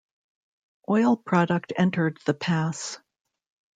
Oil product entered the pass.